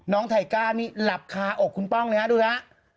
ไทก้านี่หลับคาอกคุณป้องเลยฮะดูฮะ